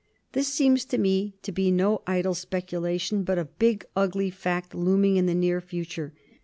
This seems to me to be no idle speculation, but a big, ugly fact looming in the near future.